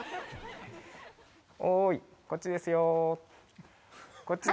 おーい、こっちですよ。